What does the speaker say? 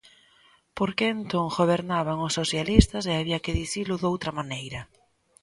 ¿Porque entón gobernaban os socialistas e había que dicilo doutra maneira?